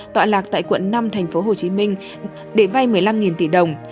tọa lạc tại quận năm tp hcm để vay một mươi năm tỷ đồng